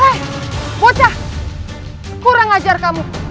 eh bocah kurang ajar kamu